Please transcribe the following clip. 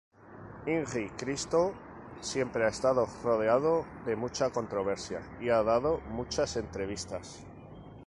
Inri Cristo siempre ha estado rodeado de mucha controversia y ha dado muchas entrevistas.